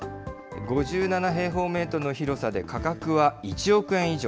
５７平方メートルの広さで価格は１億円以上。